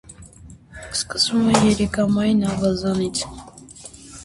Սկսվում է երիկամային ավազանից։